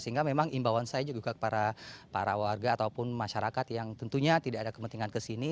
sehingga memang imbauan saya juga kepada para warga ataupun masyarakat yang tentunya tidak ada kepentingan ke sini